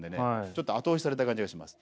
ちょっと後押しされた感じがします。